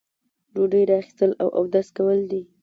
ډوډۍ را اخیستل او اودس کول دي.